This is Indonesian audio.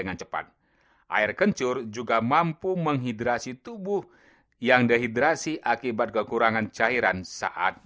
saya berinjil setelahtech wajah